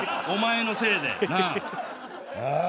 お前のせいでなあ。